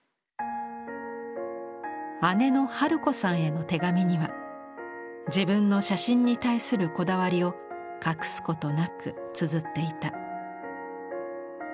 姉の春子さんへの手紙には自分の写真に対するこだわりを隠すことなくつづっていた。